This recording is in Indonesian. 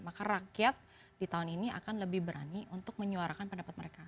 maka rakyat di tahun ini akan lebih berani untuk menyuarakan pendapat mereka